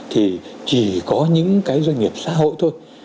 thì chỉ có những cái doanh nghiệp xã hội thôi